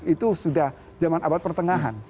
itu sudah zaman abad pertengahan